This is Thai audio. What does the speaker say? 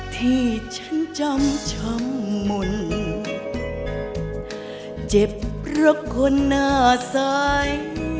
ที่ฉันจำชมหมุนเจ็บเพราะคนหน้าใส